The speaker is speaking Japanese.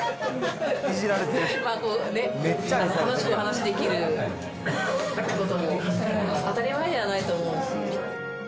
楽しくお話しできることも当たり前じゃないと思うんです。